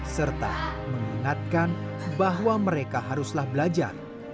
serta mengingatkan bahwa mereka haruslah belajar